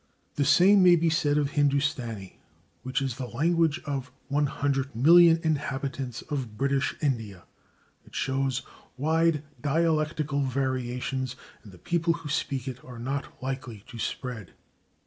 The same may be said of Hindustani, which is the language of 100,000,000 inhabitants of British India; it shows wide dialectical variations and the people who speak it are not likely to spread.